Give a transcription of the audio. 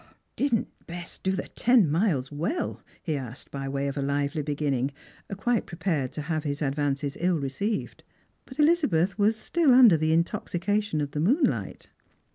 " Didn't Bess do the ten miles well? " he asked by way of a lively beginning, quite prepared to have his advances ill received. But Elizabeth was still under the intoxication of the moon light.